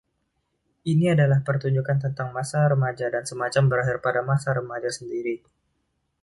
Ini adalah pertunjukan tentang masa remaja dan semacam berakhir pada masa remaja sendiri.